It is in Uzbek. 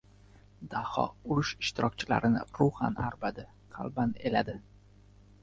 Daho urush ishtirokchilarini ruhan arbadi, qalban eladi.